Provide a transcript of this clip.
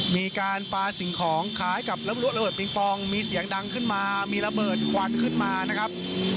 มีการปลาสิ่งของคล้ายกับระเบิดปิงปองมีเสียงดังขึ้นมามีระเบิดควันขึ้นมานะครับ